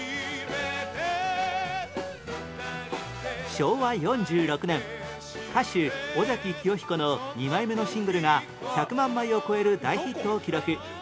昭和４６年歌手尾崎紀世彦の２枚目のシングルが１００万枚を超える大ヒットを記録